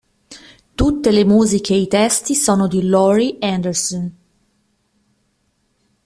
Tutte le musiche e i testi sono di Laurie Anderson.